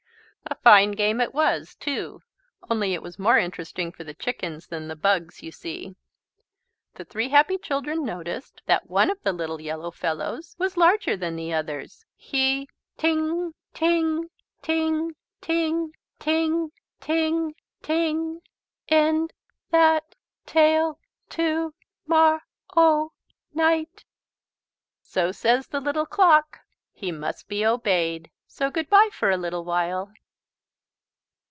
A fine game it was too, only it was more interesting for the chickens than the bugs, you see. The three happy children noticed that one of the little yellow fellows was larger than the others. He "Ting ting ting ting ting ting ting!" "End that tale to mor row night." So says the Little Clock. He must be obeyed. So good bye for a little while.